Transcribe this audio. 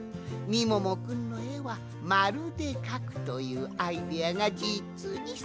みももくんのえはまるでかくというアイデアがじつにすばらしい。